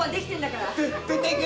で出てけ！